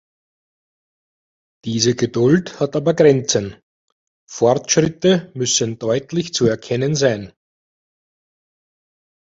Diese Geduld hat aber Grenzen, Fortschritte müssen deutlich zu erkennen sein.